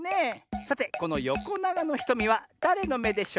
さてこのよこながのひとみはだれのめでしょうか？